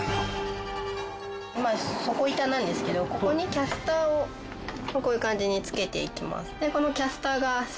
底板なんですけどここにキャスターをこういう感じに付けていきます。